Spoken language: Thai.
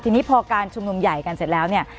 ทีนี้พอการชุมนุมใหญ่กันเสร็จแล้วเนี่ย